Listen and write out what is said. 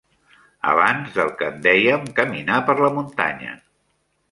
Abans del que en dèiem caminar per la muntanya.